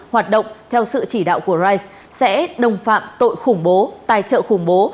hoạt động theo sự chỉ đạo của rise sẽ đồng phạm tội khủng bố tài trợ khủng bố